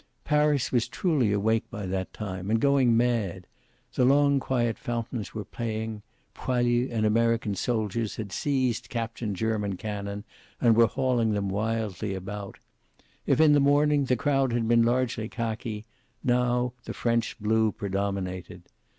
Paris was truly awake by that time, and going mad. The long quiet fountains were playing, Poilus and American soldiers had seized captured German cannon and were hauling them wildly about. If in the morning the crowd had been largely khaki, now the French blue predominated.